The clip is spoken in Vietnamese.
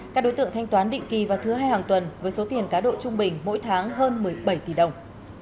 các đối tượng thanh toán định kỳ vào thứ hai hàng tuần với số tiền cá độ trung bình mỗi tháng hơn một mươi bảy tỷ đồng